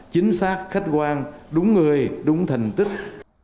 chính xác khách quan đúng người đúng thành tích